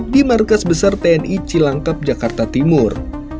di markas besar tni cilangkap jakarta timur